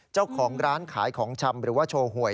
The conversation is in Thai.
เจ้าของร้านขายของชำหรือว่าโชว์หวย